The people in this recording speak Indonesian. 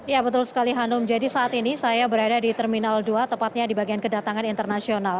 ya betul sekali hanum jadi saat ini saya berada di terminal dua tepatnya di bagian kedatangan internasional